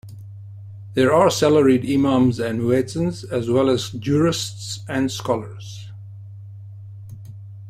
There are salaried Imams and Muezzins, as well as Jurists and Scholars.